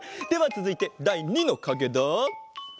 つづいてだい３のかげだ。